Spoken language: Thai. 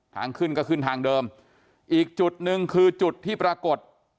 ทางขึ้นก็ขึ้นทางเดิมอีกจุดหนึ่งคือจุดที่ปรากฏ